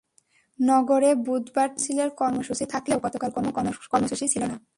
নগরে বুধবার ট্রাক মিছিলের কর্মসূচি থাকলেও গতকাল কোনো কর্মসূচিই ছিল না।